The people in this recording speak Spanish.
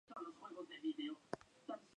Es una santa francesa.